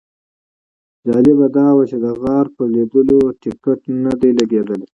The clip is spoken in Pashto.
جالبه دا وه چې د غار پر لیدلو ټیکټ نه دی لګېدلی.